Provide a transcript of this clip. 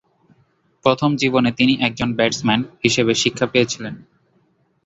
প্রথম জীবনে তিনি একজন ব্যাটসম্যান হিসেবে শিক্ষা পেয়েছিলেন।